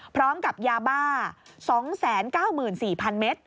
พร้อมกับยาบ้า๒๙๔๐๐เมตร